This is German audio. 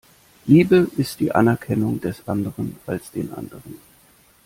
Liebe ist die Anerkennung des Anderen als den Anderen.